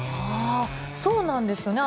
そうなんですよね。